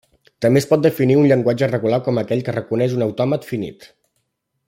També es pot definir un llenguatge regular com aquell que reconeix un autòmat finit.